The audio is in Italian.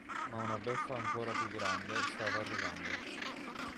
Ma una beffa ancora più grande stava arrivando.